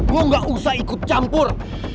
gue gak usah ikut campur